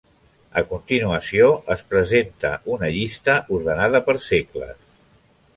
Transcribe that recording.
A continuació es presenta una llista ordenada per segles.